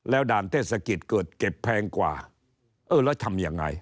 แล้วด่านเทศกิจเกิดเก็บแพงกว่าเออแล้วทำยังไง